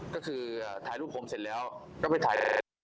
ก็คือถ่ายรูปผมเสร็จแล้วก็ไปถ่าย